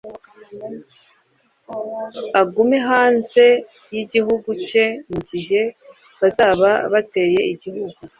aguma hanze y'igihugu cye mu gihe bazaba bateye igihugu.